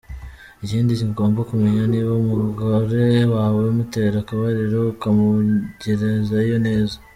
Ikindi ugomba kumenya niba umugore wawe mutera akabariro ukamugerezayo neza.